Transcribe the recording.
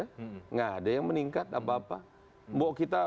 tidak ada yang meningkat apa apa